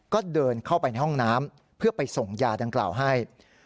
ก็เดินเข้าไปในห้องน้ำเพื่อไปส่งยาดังกล่าวให้